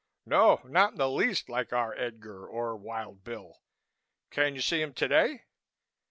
No, not in the least like our Edgar or Wild Bill. Can you see him today?"